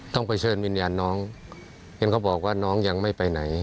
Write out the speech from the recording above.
ต้องไปเชิญวิญญาณน้องเห็นเขาบอกว่าน้องยังไม่ไปไหน